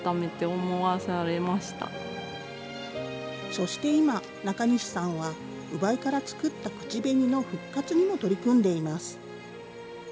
そして今、中西さんは烏梅から作った口紅の復活にも取り組んでいます。